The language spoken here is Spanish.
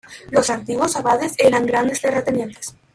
Los antiguos abades eran grandes terratenientes.